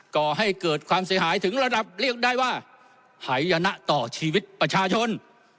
ก่อให้เกิดความเสียหายถึงระดับเรียกได้ว่าหายนะต่อชีวิตประชาชน